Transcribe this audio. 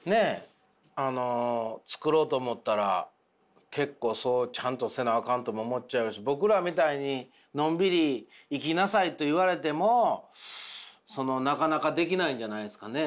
あの作ろうと思ったら結構ちゃんとせなあかんとも思っちゃうし僕らみたいにのんびり生きなさいと言われてもなかなかできないんじゃないんですかね。